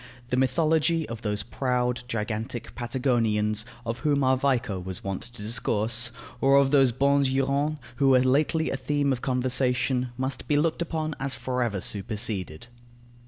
The mythology of those proud, gigantic Patagonians, of whom our Vico was wont to discourse, or of those bons Hurons, who were lately a theme of conversation, must be looked upon as for ever superseded.